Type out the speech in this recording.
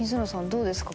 どうですか？